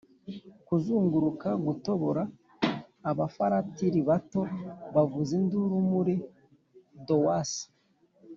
kuzunguruka, gutobora abafaratiri bato bavuza induru, muri dowse